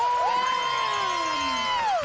เริ่ม